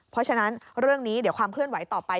เพราะฉะนั้นเรื่องนี้เดี๋ยวความเคลื่อนไหวต่อไป